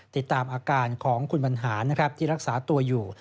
ติดตามอาการของคุณบรรหารที่รักษาตัวอยู่